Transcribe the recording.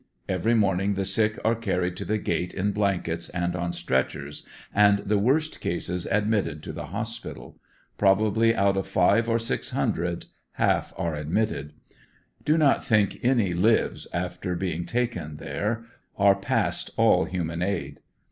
Every morning the sick are carried to the gate in blankets and on stretchers, and the worst cases admitted to the hospital. Probably out of five or six hundred half are admitted Do not think any lives after being ta ken there; are past all human aid.